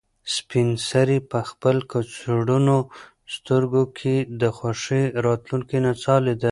سپین سرې په خپل کڅوړنو سترګو کې د خوښۍ راتلونکې نڅا لیده.